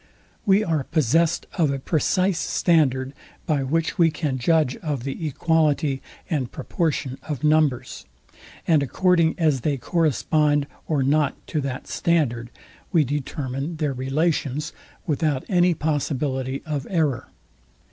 We are possest of a precise standard, by which we can judge of the equality and proportion of numbers; and according as they correspond or not to that standard, we determine their relations, without any possibility of error.